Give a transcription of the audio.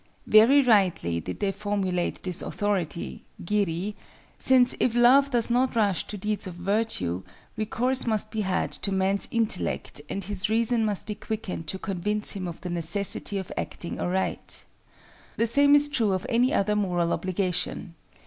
Very rightly did they formulate this authority—Giri—since if love does not rush to deeds of virtue, recourse must be had to man's intellect and his reason must be quickened to convince him of the necessity of acting aright. The same is true of any other moral obligation.